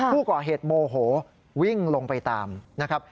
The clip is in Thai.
ผู้ก่อเหตุโมโหวิ่งลงไปตามนะครับ